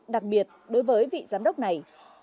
đặc biệt đối với vị giám đốc này